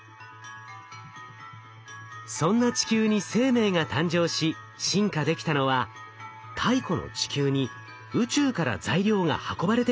そんな地球に生命が誕生し進化できたのは太古の地球に宇宙から材料が運ばれてきたからではないか？